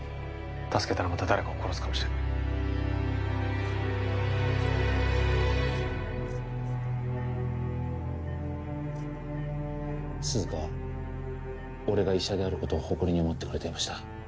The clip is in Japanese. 助けたらまた誰かを殺すかもしれない涼香は俺が医者であることを誇りに思ってくれていました